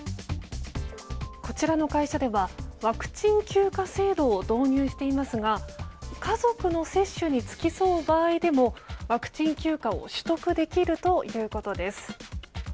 こちらの会社ではワクチン休暇制度を導入していますが家族の接種に付き添う場合でもワクチン休暇を取得できるということです。